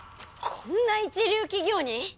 こんな一流企業に？